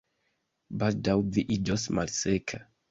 Baldaŭ vi iĝos malseka